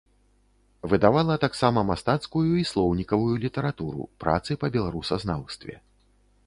Выдавала таксама мастацкую і слоўнікавую літаратуру, працы па беларусазнаўстве.